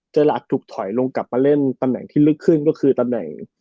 หลักถูกถอยลงกลับมาเล่นตำแหน่งที่ลึกขึ้นก็คือตำแหน่ง